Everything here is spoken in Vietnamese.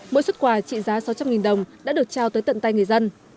mỗi xuất quà trị giá sáu trăm linh đồng đã được trao tới tận tay người dân